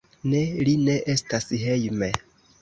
Ne, li ne estas hejme.